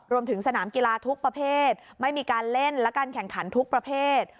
รวมถึงสนามกีฬาทุกประเภทไม่มีการเล่นและการแข่งขันทุกประเภท